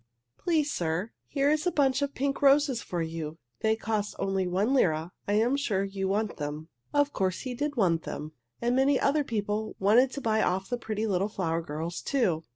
Please, sir, here is a bunch of pink roses for you. They cost only one lira. I am sure you want them." Of course he did want them, and many other people wanted to buy of the pretty little flower girls, too.